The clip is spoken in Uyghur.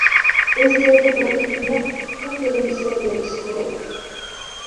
ئۆز جايىدا بىر قېتىملىق قىسقا فىلىم ئىشلەپ بېقىشى كېرەك.